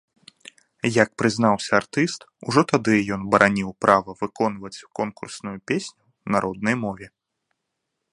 Як прызнаўся артыст, ужо тады ён бараніў права выконваць конкурсную песню на роднай мове.